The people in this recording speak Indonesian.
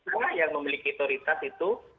kita yang memiliki otoritas itu